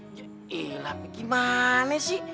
iya tapi gimana sih